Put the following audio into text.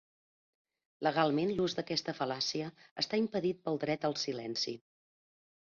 Legalment l'ús d'aquesta fal·làcia està impedit pel Dret al silenci.